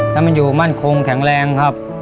ถ้ามันอยู่มั่นคงแข็งแรงครับ